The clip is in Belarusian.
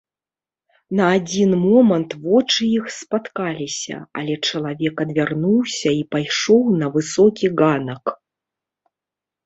На адзін момант вочы іх спаткаліся, але чалавек адвярнуўся і пайшоў на высокі ганак.